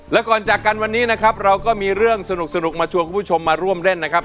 และก่อนจากกันวันนี้นะครับเราก็มีเรื่องสนุกมาชวนคุณผู้ชมมาร่วมเล่นนะครับ